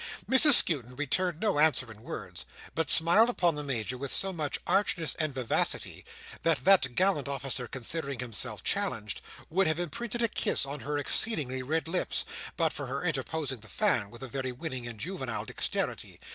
Mrs Skewton returned no answer in words, but smiled upon the Major with so much archness and vivacity, that that gallant officer considering himself challenged, would have imprinted a kiss on her exceedingly red lips, but for her interposing the fan with a very winning and juvenile dexterity.